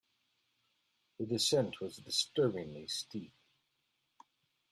The descent was disturbingly steep.